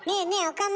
岡村。